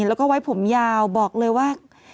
แล้วก็ไว้ผมยาวบอกเลยว่า